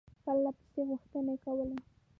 پرله پسې غوښتني کولې.